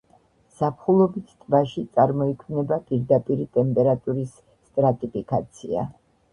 ზაფხულობით ტბაში წარმოიქმნება პირდაპირი ტემპერატურის სტრატიფიკაცია.